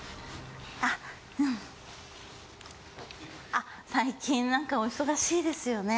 あ最近なんかお忙しいですよね。